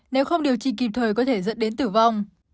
nếu không điều trị kịp thời có thể dẫn đến tử vong